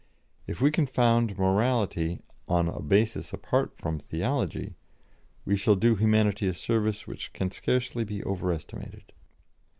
If we can found morality on a basis apart from theology, we shall do humanity a service which can scarcely be overestimated."